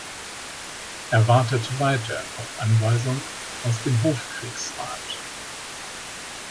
Er wartete weiter auf Anweisung aus dem Hofkriegsrat.